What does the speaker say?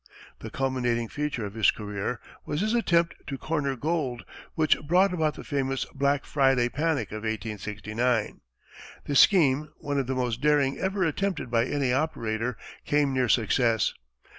The culminating feature of his career was his attempt to corner gold, which brought about the famous Black Friday panic of 1869. The scheme, one of the most daring ever attempted by any operator, came near success.